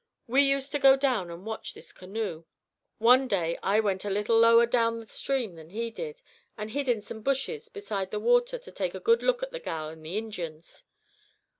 We used to go down and watch this canoe. One day I went a little lower down the stream than he did, and hid in some bushes beside the water to take a good look at the gal and the Injins.